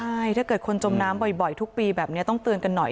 ใช่ถ้าเกิดคนจมน้ำบ่อยทุกปีแบบนี้ต้องเตือนกันหน่อย